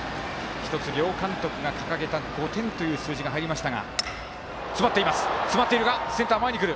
１つ両監督が掲げた５点という数字が入りました。